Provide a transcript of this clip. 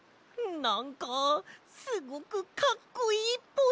なんかすごくかっこいいっぽい！